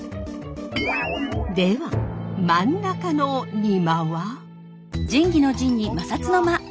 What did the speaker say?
では真ん中の仁摩は？